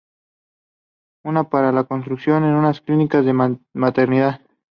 Una para la construcción de unas clínicas de maternidad.